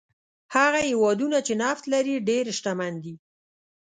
هغه هېوادونه چې نفت لري ډېر شتمن دي.